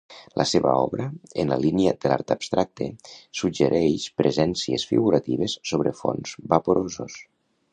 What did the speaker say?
La seva obra, en la línia de l'art abstracte, suggereix presències figuratives sobre fons vaporosos.